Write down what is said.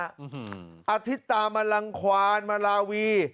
อาทิตย์ตามรังควานมลาวี